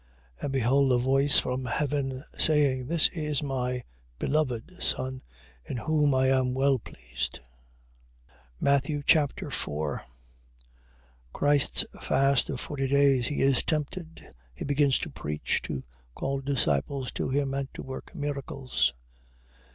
3:17. And behold a voice from heaven saying: This is my beloved Son, in whom I am well pleased. Matthew Chapter 4 Christ's fast of forty days: He is tempted. He begins to preach, to call disciples to him, and to work miracles.